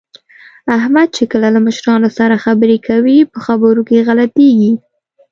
احمد چې کله له مشرانو سره خبرې کوي، په خبرو کې غلطېږي